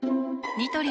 ニトリ